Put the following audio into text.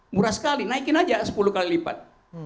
murah sekali naikin aja sepuluh kali lipat